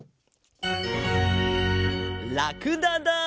ラクダだ！